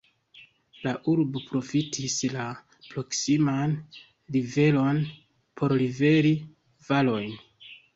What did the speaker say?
La urbo profitis la proksiman riveron por liveri varojn.